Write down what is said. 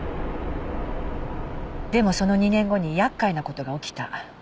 でもその２年後に厄介な事が起きた。